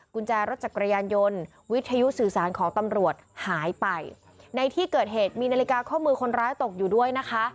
กุญแจรถจักรยานยนต์วิทยุสื่อสารของตำรวจหายไปในที่เกิดเหตุมีนาฬิกาข้อมือคนร้ายตกอยู่ด้วยนะคะ